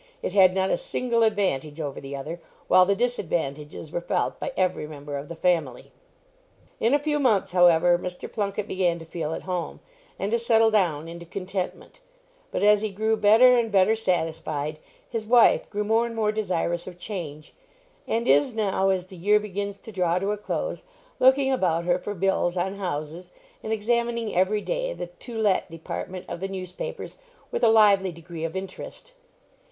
It had not a single advantage over the other, while the disadvantages were felt by every member of the family. In a few months, however, Mr. Plunket began to feel at home, and to settle down into contentment, but as he grew better and better satisfied, his wife grew more and more desirous of change, and is now, as the year begins to draw to a close, looking about her for bills on houses, and examining, every day, the "to let" department of the newspapers with a lively degree of interest.